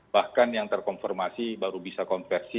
bahkan yang terkonfirmasi baru bisa konversi